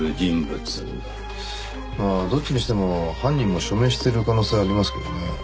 まあどっちにしても犯人も署名してる可能性ありますけどね